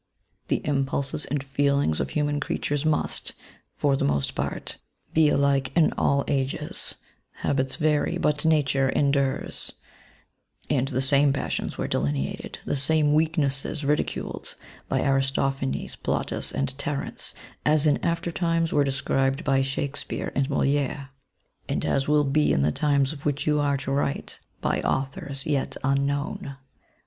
The impulses and feelings of hu man creatures must, for the most part, be alike in all ages : habits vary, but nature endures ; and the same passions were delineated, the same weaknesses ridiculed, by Aristophanes, Plautus, and Terence, as in after times were described by Shakspeare and Moliere ; and as will be in the times of which you are to write, — by authors yet unknown.